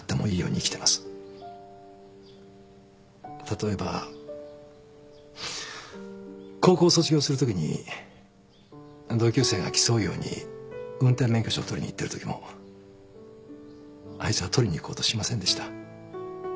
例えば高校を卒業するときに同級生が競うように運転免許証を取りに行ってるときもあいつは取りに行こうとしませんでした。